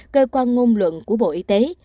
cơ quan ngôn luận của bộ y tế